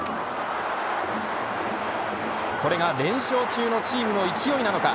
これが連勝中のチームの勢いなのか。